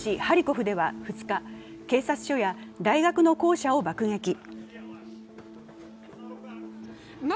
ハリコフでは２日、警察署や大学の校舎を爆撃。